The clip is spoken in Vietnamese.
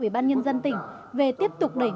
ủy ban nhân dân tỉnh về tiếp tục đẩy